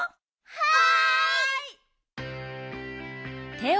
はい！